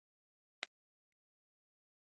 کروندګر د خاورې هره ذره ګټوره ګڼي